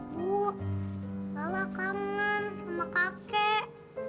bu salah kangen sama kakek